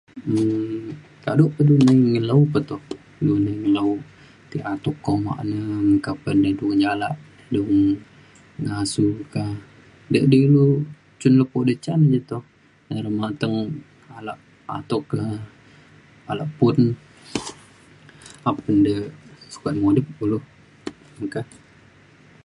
um kado pe lu ngelau pe toh. lu di ngelau ti atuk kuma le meka pe du ji alak du ngasu ka be di ilu cin lepo de ca je toh. ire mateng alak atuk e alak pun apan de sukat mudip kulu meka.